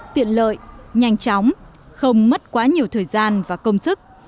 tiện lợi nhanh chóng không mất quá nhiều thời gian và công sức